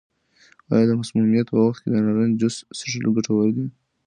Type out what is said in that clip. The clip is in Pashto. آیا د مسمومیت په وخت کې د نارنج جوس څښل ګټور دي؟